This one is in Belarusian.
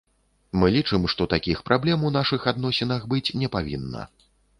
Мы лічым, што такіх праблем у нашых адносінах быць не павінна.